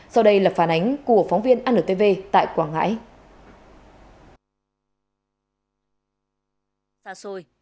sau đây là phản ánh của phóng viên antv tại quảng ngãi